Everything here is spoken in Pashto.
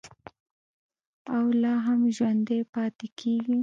او لا هم ژوندی پاتې کیږي.